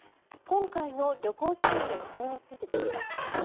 今回の旅行支援の仕組みについてです。